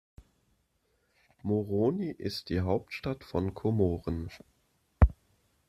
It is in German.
Moroni ist die Hauptstadt von Komoren.